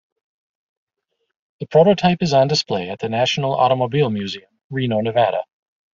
The prototype is on display at the National Automobile Museum, Reno, Nevada.